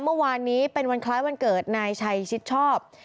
เมื่อวานนี้เป็นวันคล้ายวันเกิดนายชัยชิดชอบ